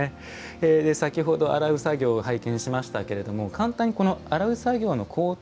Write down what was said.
先ほど洗う作業拝見しましたけれども簡単に洗う作業の工程